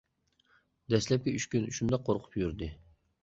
دەسلەپكى ئۈچ كۈن شۇنداق قورقۇپ يۈردى.